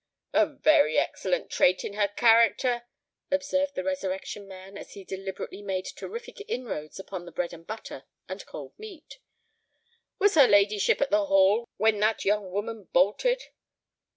"A very excellent trait in her character," observed the Resurrection Man, as he deliberately made terrific inroads upon the bread and butter and cold meat. "Was her ladyship at the Hall when that young woman bolted?"